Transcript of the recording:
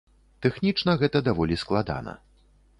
Тэхнічна гэта даволі складана.